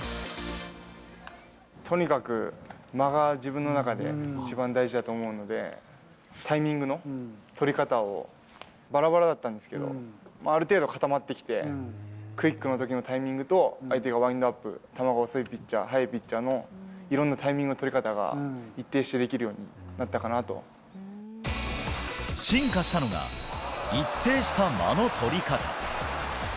とにかく、間が自分の中で一番大事だと思うので、タイミングの取り方をばらばらだったんですけど、ある程度固まってきて、クイックのときのタイミングと、相手がワインドアップ、球が遅いピッチャー、速いピッチャーのいろんなタイミングの取り方が一定してできるよ進化したのが、一定した間の取り方。